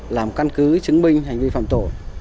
làm căn cứ chứng minh hành vi phạm tổ